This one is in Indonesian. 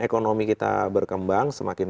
ekonomi kita berkembang semakin